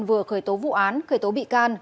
vừa khởi tố vụ án khởi tố bị can